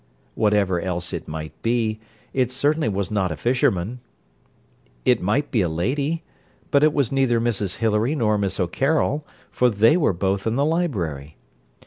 Whatever else it might be, it certainly was not a fisherman. It might be a lady; but it was neither Mrs Hilary nor Miss O'Carroll, for they were both in the library.